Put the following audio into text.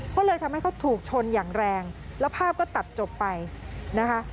ก็เลยทำให้เขาถูกชนอย่างแรงแล้วภาพก็ตัดจบไปนะคะ